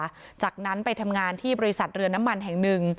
มีความภรรยาจากนั้นไปทำงานที่บริษัทเรือนน้ำมันแห่งหนึ่ง